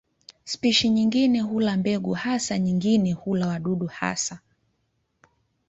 Spishi nyingine hula mbegu hasa, nyingine hula wadudu hasa.